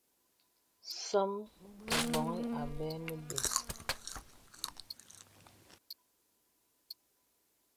Nsòm o bɔ̄ŋi abɛ nə̀ bès.